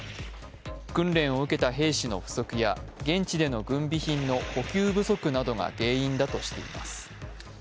訓練を受けた兵士の不足や現地での軍備品の補給不足が原因だとしています。